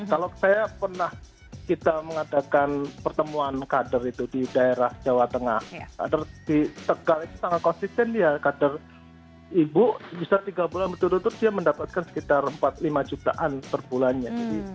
kalau saya pernah kita mengadakan pertemuan kader itu di daerah jawa tengah kader di tegal itu sangat konsisten dia kader ibu bisa tiga bulan berturut turut dia mendapatkan sekitar empat lima jutaan per bulannya